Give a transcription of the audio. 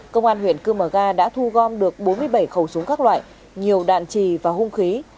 công an huyện cư mờ ga đã thu gom được bốn mươi bảy khẩu súng các loại nhiều đạn trì và hung khí